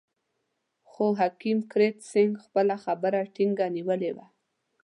خو حکیم کرت سېنګ خپله خبره ټینګه نیولې وه.